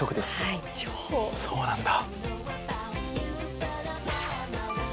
そうなんだ。